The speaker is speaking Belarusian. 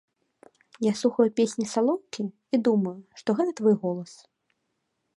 Я слухаю песні салоўкі і думаю, што гэта твой голас.